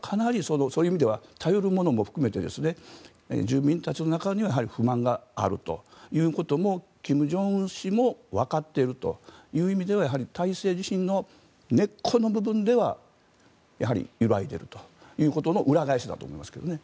かなり、そういう意味では頼るものも含めて住民たちの中には不満があるということも金正恩氏もわかっているという意味ではやはり体制自身の根っこの部分ではやはり、揺らいでいるということの裏返しだと思いますがね。